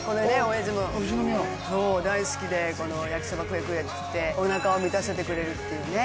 富士宮そう大好きでこの焼きそば食え食えっつっておなかを満たせてくれるっていうね